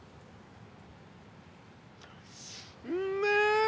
うんめえ。